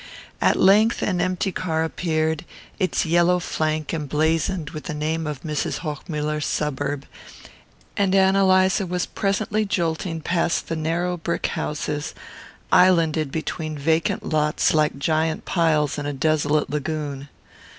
At length an empty car appeared, its yellow flank emblazoned with the name of Mrs. Hochmuller's suburb, and Ann Eliza was presently jolting past the narrow brick houses islanded between vacant lots like giant piles in a desolate lagoon.